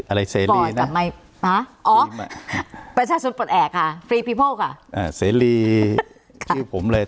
อะไรอะไรอ๋อประชาชนปลดแอบค่ะค่ะอ่าเสรีค่ะชื่อผมเลย